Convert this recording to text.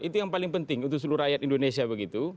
itu yang paling penting untuk seluruh rakyat indonesia begitu